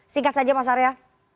singkat saja mas arya